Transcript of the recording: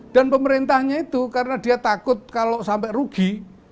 dan pemerintahnya itu karena dia takut kalau sampai rugi